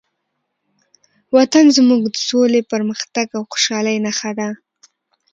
وطن زموږ د سولې، پرمختګ او خوشحالۍ نښه ده.